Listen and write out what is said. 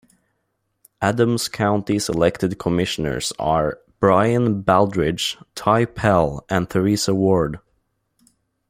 Adams County's elected commissioners are: Brian Baldridge, Ty Pell, and Theresa Ward.